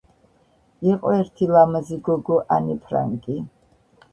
იყო ერთი ლამაზი გოგო ანე ფრანკი.